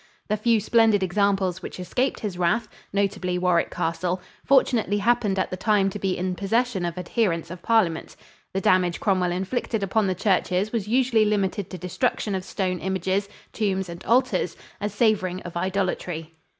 The few splendid examples which escaped his wrath notably Warwick Castle fortunately happened at the time to be in possession of adherents of Parliament. The damage Cromwell inflicted upon the churches was usually limited to destruction of stone images, tombs and altars, as savoring of idolatry.